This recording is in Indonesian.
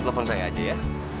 telepon saya aja ya